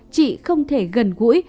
chị không thể gần gũi